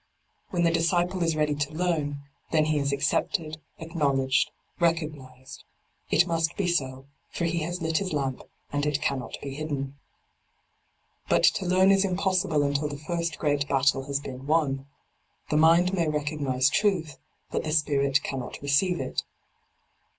When the disciple is ready to learn, then he is accepted, acknow ledged, recognised. It must be so, for he has lit his lamp, and it cannot be hidden. d by Google 28 LIGHT ON THE PATH But to learn is impossible until the first great battle has been won. The mind may recog nise truth, but the spirit cannot receive it.